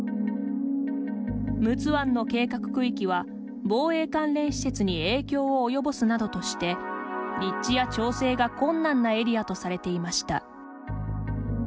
陸奥湾の計画区域は防衛関連施設に影響を及ぼすなどとして立地や調整が困難なエリアとされていました。